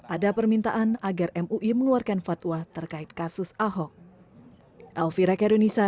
ada permintaan agar mui mengeluarkan fatwa terkait kasus ahok